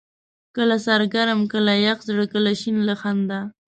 کله سر ګرم ، کله يخ زړه، کله شين له خندا